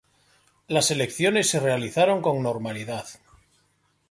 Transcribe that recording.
Las elecciones se realizaron con normalidad.